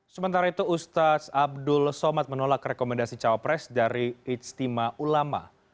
sementara itu ustadz abdul somad menolak rekomendasi cawapres dari ijtima ulama